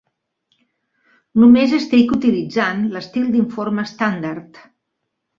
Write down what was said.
Només estic utilitzant l'estil d'informe estàndard.